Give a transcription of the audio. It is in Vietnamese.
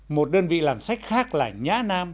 một đơn vị làm sách khác là nhã nam